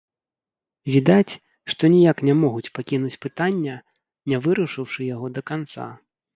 Відаць, што ніяк не могуць пакінуць пытання, не вырашыўшы яго да канца.